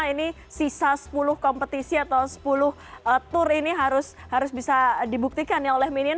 ini sisa sepuluh kompetisi atau sepuluh tour ini harus bisa dibuktikan ya oleh minion